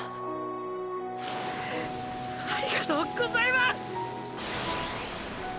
ありがとうございます！！